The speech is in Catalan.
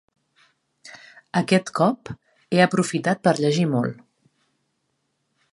Aquest cop he aprofitat per llegir molt.